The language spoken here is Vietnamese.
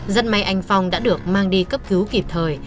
dân may anh phong đã được mang đi cấp cứu kịp thời